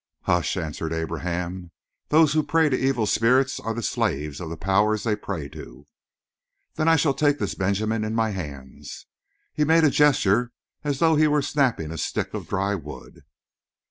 "Hush!" answered Abraham. "Those who pray to evil spirits are the slaves of the powers they pray to." "Then I shall take this Benjamin in my hands!" He made a gesture as though he were snapping a stick of dry wood.